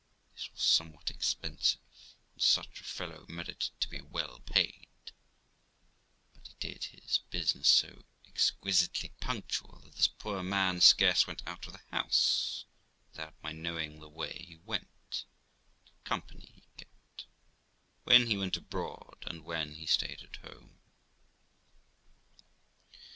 THE LIFE OF ROXANA 249 This was somewhat expensive, and such a fellow merited to be well paid, but he did his business so exquisitely punctual that this poor man scarce went out of the house without my knowing the way he went, the company he kept, when he went abroad, and when he stayed at home.